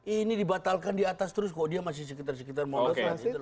ini dibatalkan di atas terus kok dia masih sekitar sekitar modos